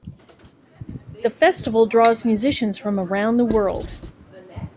The festival draws musicians from around the world.